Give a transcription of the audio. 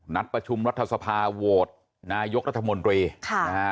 นัดประชุมรัฐสภาโหวตนายกรัฐมนตรีค่ะนะฮะ